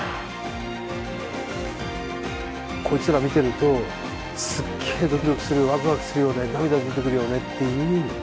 こいつら見てるとすげえドキドキするワクワクするよね涙出てくるよねっていう。